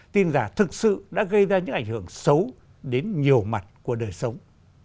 tin giả thực sự đã gây ra những ảnh hưởng xấu đến nhiều mặt của đời sống